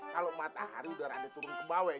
kalau matahari udah rada turun ke bawah